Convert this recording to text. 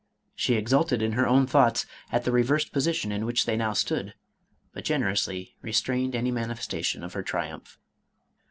She exulted in her own thoughts at the reversed position in which they now stood, but generously restrained any mani festation of her triumph.